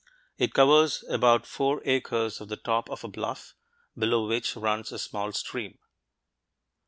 It covers about four acres of the top of a bluff, below which runs a small stream.